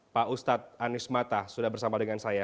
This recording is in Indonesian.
pak ustadz anies mata sudah bersama dengan saya